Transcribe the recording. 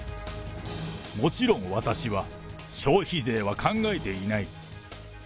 もちろん私は消費税は考えていない。